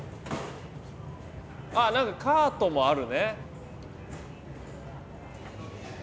何かカートもあるね。